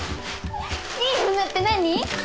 いいものって何！？